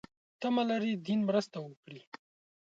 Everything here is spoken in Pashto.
تمه لري دین مرسته وکړي.